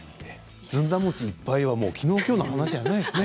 ずんだ餅がいっぱいはきのうきょうの話じゃないですね。